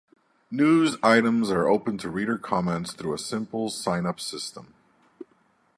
News items are open to reader comments through a simple sign-up system.